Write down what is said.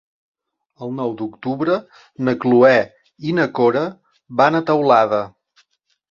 El nou d'octubre na Cloè i na Cora van a Teulada.